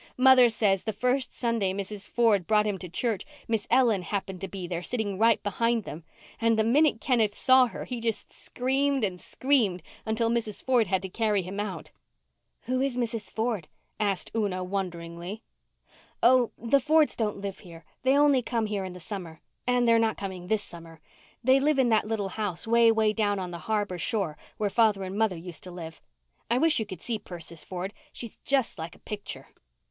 Mother says the first Sunday Mrs. Ford brought him to church Miss Ellen happened to be there, sitting right behind them. And the minute Kenneth saw her he just screamed and screamed until Mrs. Ford had to carry him out." "Who is Mrs. Ford?" asked Una wonderingly. "Oh, the Fords don't live here. They only come here in the summer. And they're not coming this summer. They live in that little house 'way, 'way down on the harbour shore where father and mother used to live. I wish you could see Persis Ford. She is just like a picture."